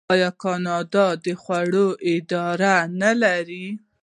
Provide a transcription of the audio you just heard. آیا کاناډا د خوړو اداره نلري؟